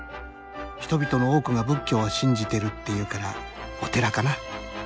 人々の多くが仏教を信じてるっていうからお寺かな。